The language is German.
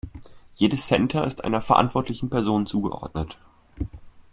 Jedes Center ist einer verantwortlichen Person zugeordnet.